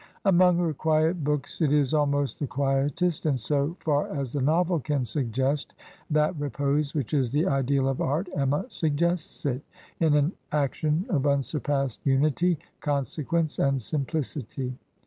Among her quiet books it is almost the quietest, and so far as the novel can suggest that repose which is the ideal of art "Emma^' suggests it, in an action of unsurpassed unity, con sequence, and simplicity.